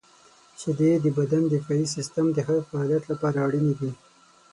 • شیدې د بدن د دفاعي سیستم د ښه فعالیت لپاره اړینې دي.